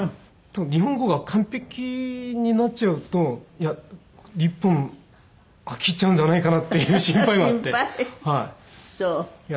多分日本語が完璧になっちゃうと日本飽きちゃうんじゃないかなっていう心配はあってはい。